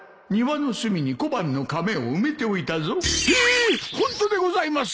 ホントでございますか！？